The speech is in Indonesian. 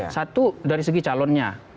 satu dari segi calonnya